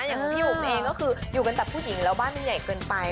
อย่างคุณพี่บุ๋มเองก็คืออยู่กันแต่ผู้หญิงแล้วบ้านมันใหญ่เกินไป